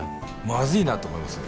まずいなと思いますよ。